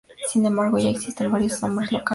Sin embargo, ya existen varios nombres locales.